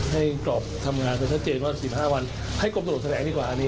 ให้กรรมทำงานไปชัดเจนว่า๑๕วันให้กรรมตนวนแถลงดีกว่าอันนี้